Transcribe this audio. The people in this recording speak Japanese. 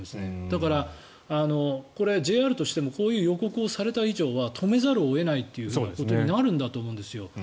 だから、これはＪＲとしてもこういう予告をされた以上は止めざるを得ないということになるんだと思うんですよ。